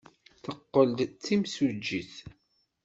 Teqqel d timsujjit.